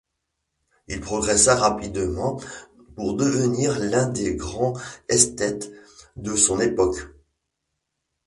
Il progressa rapidement pour devenir l’un des grands esthètes de son époque.